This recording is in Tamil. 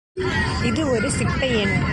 இது ஒரு சிப்ப எண்.